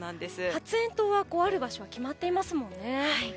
発炎筒がある場所は決まってますもんね。